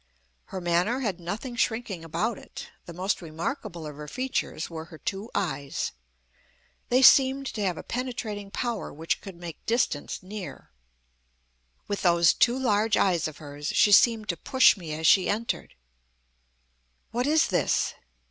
Her manner had nothing shrinking about it. The most remarkable of her features were her two eyes. They seemed to have a penetrating power which could make distance near. With those two large eyes of hers, she seemed to push me as she entered. "What is this?"